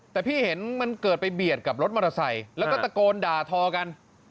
แต่พี่เห็นมันเกิดไปเบียดกับรถมอเตอร์ไซค์แล้วก็ตะโกนด่าทอกัน